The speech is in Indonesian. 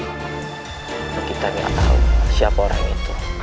tapi kita tidak tahu siapa orang itu